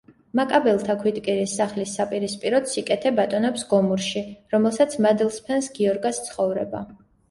მაკაბელთა ქვითკირის სახლის საპირისპიროდ სიკეთე ბატონობს გომურში, რომელსაც მადლს ფენს გიორგას ცხოვრება.